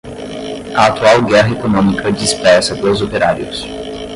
a atual guerra econômica dispersa dos operários